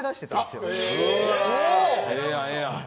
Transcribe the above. ええやんええやん。